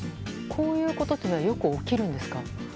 こういうことってよく起きるんですか？